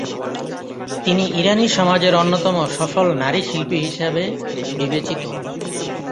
তিনি ইরানি সমাজের অন্যতম সফল নারী শিল্পী হিসাবে বিবেচিত।